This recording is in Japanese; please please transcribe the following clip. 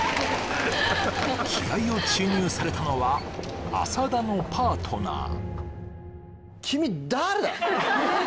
気合を注入されたのは浅田のパートナー